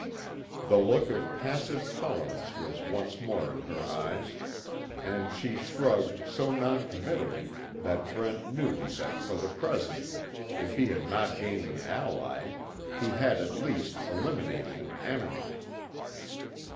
The look of passive tolerance was once more in her eyes, and she shrugged so noncommittally that Brent knew that for the present, if he had not gained an ally, he had at least, eliminated an enemy.